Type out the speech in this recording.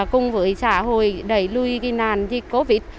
cùng với xã hội đẩy lùi nàn dịch covid